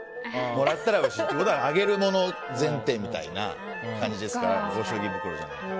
もらったらうれしいということは、あげるもの前提みたいな感じですからご祝儀袋じゃないかと。